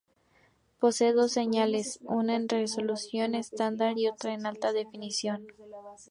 Posee dos señales: una en resolución estándar y otra en alta definición.